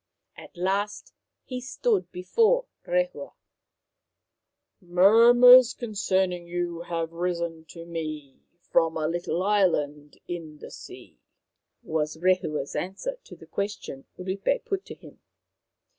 At last he stood before Rehua !" Murmurs concerning you have risen to me from a little island in the sea," was Rehua's answer to the question Rupe put to him.